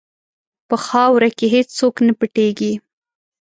په خاوره کې هېڅ څوک نه پټیږي.